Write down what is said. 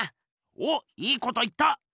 おっいいこと言った！